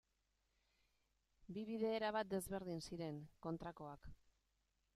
Bi bide erabat desberdin ziren, kontrakoak.